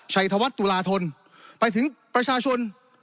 ธวัฒน์ตุลาธนไปถึงประชาชน